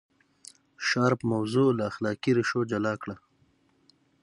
شارپ موضوع له اخلاقي ریښو جلا کړه.